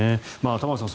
玉川さん